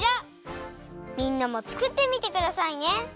みんなもつくってみてくださいね。